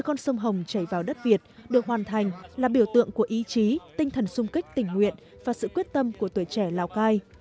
con sông hồng chảy vào đất việt được hoàn thành là biểu tượng của ý chí tinh thần sung kích tình nguyện và sự quyết tâm của tuổi trẻ lào cai